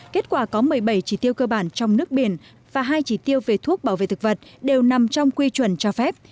kết quả có một mươi bảy chỉ tiêu cơ bản trong nước biển và hai chỉ tiêu về thuốc bảo vệ thực vật đều nằm trong quy chuẩn cho phép